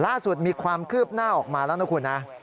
ล่าสุดมีความคืบหน้าออกมาแล้วนะคุณนะ